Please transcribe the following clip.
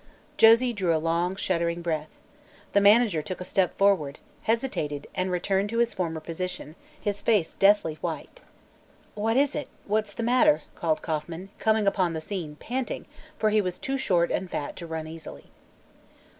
Josie drew a long, shuddering breath. The manager took a step forward, hesitated, and returned to his former position, his face deathly white. "What is it? What's the matter?" called Kauffman, coming upon the scene panting for he was too short and fat to run easily.